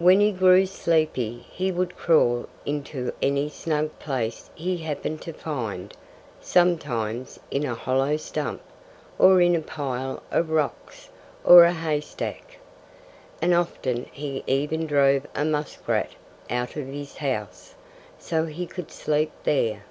When he grew sleepy he would crawl into any snug place he happened to find sometimes in a hollow stump, or in a pile of rocks, or a haystack. And often he even drove a muskrat out of his house, so he could sleep there.